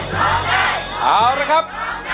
ครับ